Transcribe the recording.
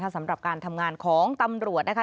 สำหรับการทำงานของตำรวจนะคะ